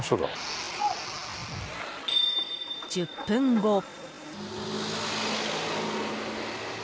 １０分後。